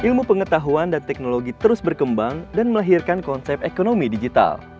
ilmu pengetahuan dan teknologi terus berkembang dan melahirkan konsep ekonomi digital